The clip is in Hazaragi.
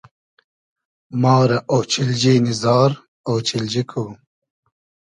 ما رۂ اۉچیلنی نی زار ، اۉچیلجی کو